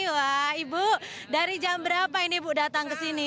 wah ibu dari jam berapa ini ibu datang ke sini